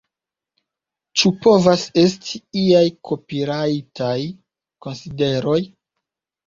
Ĉu povas esti iaj kopirajtaj konsideroj?